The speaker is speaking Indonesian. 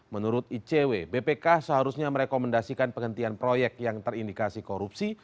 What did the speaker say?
menurut icw bpk seharusnya merekomendasikan penghentian proyek yang terindikasi korupsi